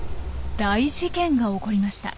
大事件が起こりました。